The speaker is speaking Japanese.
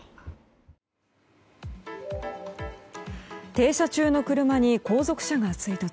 停車中の車に後続車が追突。